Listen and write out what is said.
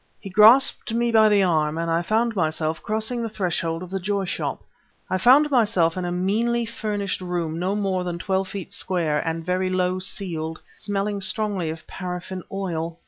He grasped me by the arm, and I found myself crossing the threshold of the Joy Shop I found myself in a meanly furnished room no more than twelve feet square and very low ceiled, smelling strongly of paraffin oil.